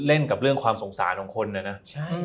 เล่นกับเรื่องความสงสารของคนนึงนะใช่